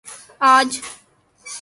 آج